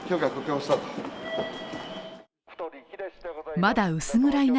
まだ薄暗い中